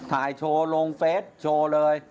ถ่ายโชว์ลงเฟสโชว์เลย